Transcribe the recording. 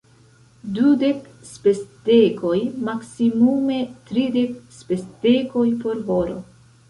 Dudek spesdekoj, maksimume tridek spesdekoj por horo.